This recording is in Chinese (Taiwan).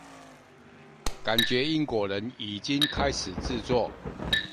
感覺英國人已經開始製作